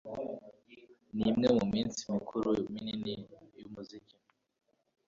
Nimwe muminsi mikuru minini yumuziki